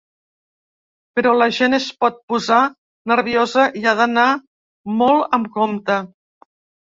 Però la gent es pot posar nerviosa i ha d’anar molt amb compte.